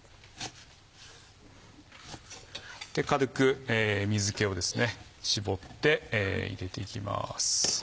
軽く水気を絞って入れていきます。